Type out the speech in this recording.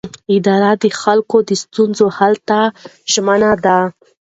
اداره د خلکو د ستونزو حل ته ژمنه ده.